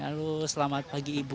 halo selamat pagi ibu